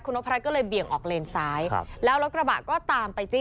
นพรัชก็เลยเบี่ยงออกเลนซ้ายครับแล้วรถกระบะก็ตามไปจี้